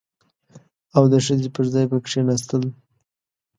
او د ښځې پر ځای به کښېناستل.